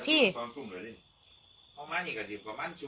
พี่ตุ๊กพี่หมูผ่าเจ้าของมา